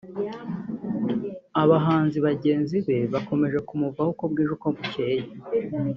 abahanzi bagenzi be bakomeje kumuvaho uko bwije n’uko bukeye